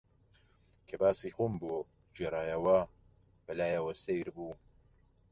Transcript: کە باسی خۆم بۆ گێڕایەوە، بە لایەوە سەیر بوو